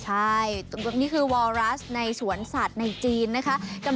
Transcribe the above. ใช่นี่คือวอรัสในสวนสัตว์ในจีนนะคะ